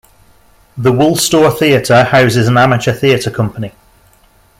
The Woolstore Theatre houses an amateur theatre company.